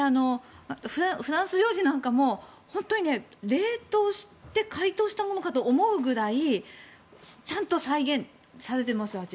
フランス料理なんかも本当に冷凍して解凍したものかと思うぐらいちゃんと再現されています味。